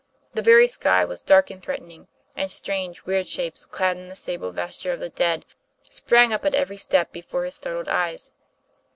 The very sky was dark and threatening; and strange, weird shapes, clad in the sable vesture of the dead, sprang up at every step before his startled eyes.